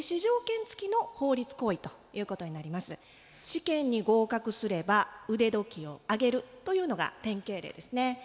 試験に合格すれば腕時計をあげるというのが典型例ですね。